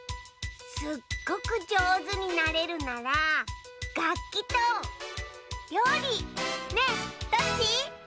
すっごくじょうずになれるならがっきとりょうりねえどっち？